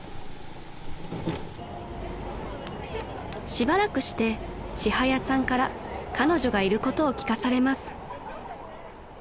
［しばらくしてちはやさんから彼女がいることを聞かされます］